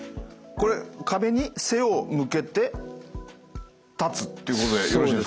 これ壁に背を向けて立つっていうことでよろしいですか？